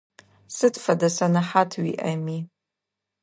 Сыд фэдэ сэнэхьат уиIэми.